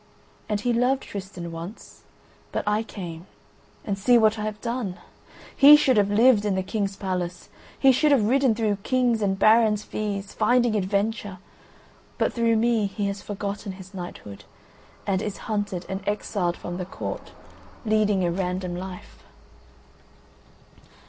And he loved Tristan once, but I came, and see what I have done! He should have lived in the King's palace; he should have ridden through King's and baron's fees, finding adventure; but through me he has forgotten his knighthood, and is hunted and exiled from the court, leading a random life.